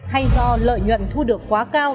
hay do lợi nhuận thu được quá cao